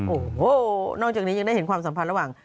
โอ้โหนอกจากนี้ยังได้เห็นความสัมพันธ์ระหว่าง